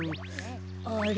あれ？